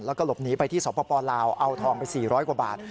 แล้วก็หลบหนีไปที่สปลาวเอาทองไป๔๐๐กว่าบาท